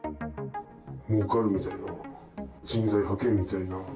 もうかるみたいな、人材派遣みたいな。